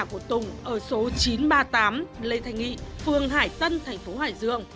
của tùng ở số chín trăm ba mươi tám lê thành nghị phường hải tân tp hải dương